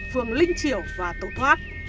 phường linh triểu và tổ thoát